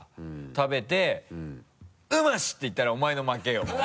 食べて「うまし！」って言ったらお前の負けよもう。